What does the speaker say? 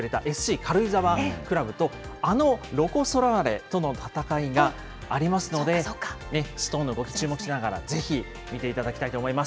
軽井沢クラブと、あのロコ・ソラーレとの戦いがありますので、ストーンの動き、注目しながら、ぜひ見ていただきたいと思います。